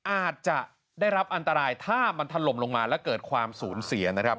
อาจจะได้รับอันตรายถ้ามันถล่มลงมาแล้วเกิดความสูญเสียนะครับ